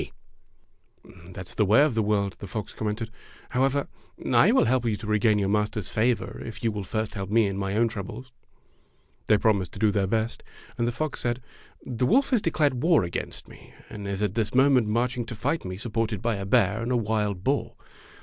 73 Fairy Tale Foxes "That's the way of the world," the fox commented. "However, I will help you to regain your master's favor if you will first help me in my own troubles." They promised to do their best, and the fox said: "The wolf has declared war against me, and is at this moment marching to fight me supported by a bear and a wild boar.